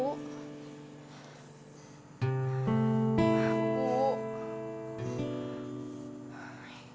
ambil minyak air putih